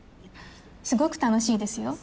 すごく楽しいですよ。